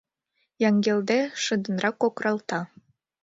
Яҥгелде шыдынрак кокыралта.